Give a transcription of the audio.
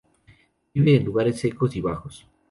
Vive en lugares secos y bajos.